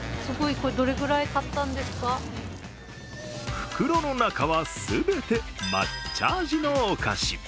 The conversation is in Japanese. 袋の中は全て抹茶味のお菓子。